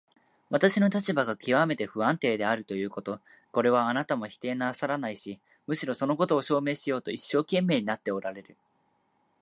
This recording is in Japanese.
私の立場がきわめて不安定であるということ、これはあなたも否定なさらないし、むしろそのことを証明しようと一生懸命になっておられる。